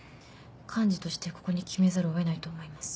幹事としてここに決めざるをえないと思います。